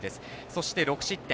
そして、６失点。